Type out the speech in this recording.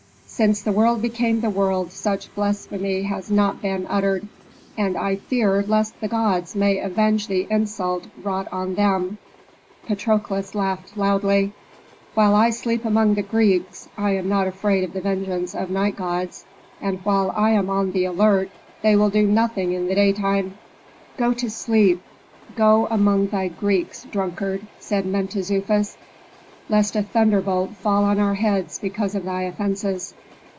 Since the world became the world such blasphemy has not been uttered! And I fear lest the gods may avenge the insult wrought on them." Patrokles laughed loudly. "While I sleep among the Greeks, I am not afraid of the vengeance of night gods. And while I am on the alert they will do nothing in the daytime." "Go to sleep! go among thy Greeks, drunkard," said Mentezufis, "lest a thunderbolt fall on our heads because of thy offenses."